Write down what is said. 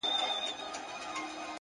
ستا د سترگو جام مي د زړه ور مات كړ.!